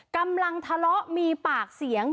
กำลังทะเลาะมีปากเสียง